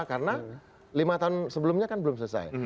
karena lima tahun sebelumnya kan belum selesai